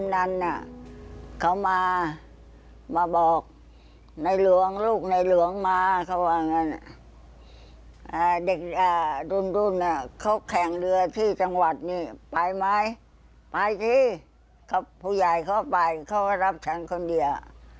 อายุทางหน้าเหลืองเลย